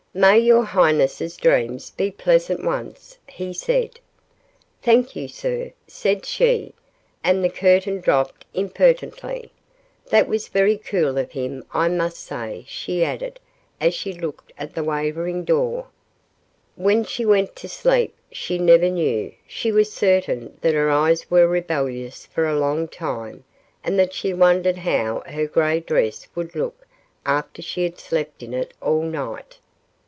"May your highness's dreams be pleasant ones!" he said. "Thank you," said she, and the curtain dropped impertinently. "That was very cool of him, I must say," she added, as she looked at the wavering door. When she went to sleep, she never knew; she was certain that her eyes were rebellious for a long time and that she wondered how her gray dress would look after she had slept in it all night.